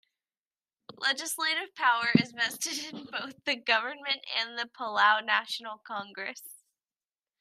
Legislative power is vested in both the government and the Palau National Congress.